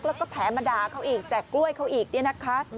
แล้วก็แถมมาด่าเขาอีกแจกกล้วยเขาอีกเนี่ยนะคะ